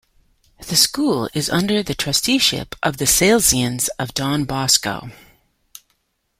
The school is under the Trusteeship of the Salesians of Don Bosco.